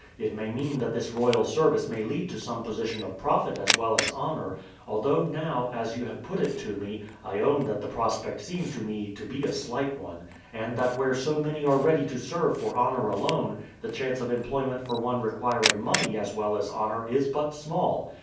It may mean that this royal service may lead to some position of profit as well as honour; although now, as you have put it to me, I own that the prospect seems to me to be a slight one, and that where so many are ready to serve for honour alone, the chance of employment for one requiring money as well as honour is but small.